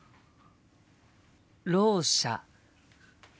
ろう者。